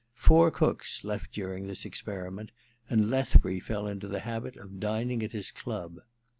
Four cooks left during this experiment, and Lethbury fell into the habit of dining at his club.